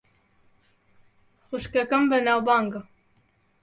خوشکەکەم بەناوبانگە.